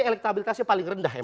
elektabilitasnya paling rendah emang